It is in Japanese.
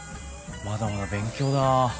まだまだ勉強だ。